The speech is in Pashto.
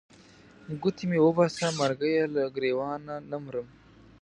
ګوتې مې وباسه مرګیه له ګرېوانه نه مرم.